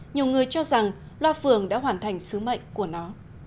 nhiều người cho rằng loa phường đã hoàn thành sứ mệnh của nó